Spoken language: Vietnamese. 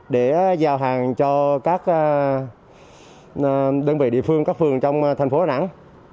để giao hàng cho các đơn vị địa phương các phường trong thành phố đà nẵng